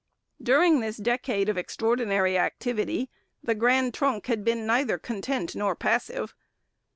During this decade of extraordinary activity the Grand Trunk had been neither content nor passive.